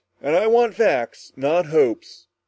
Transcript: And I want facts, not hopes!"